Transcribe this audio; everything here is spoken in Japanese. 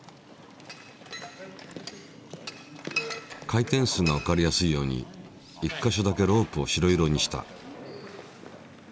回転数がわかりやすいように１か所だけロープを白色にした。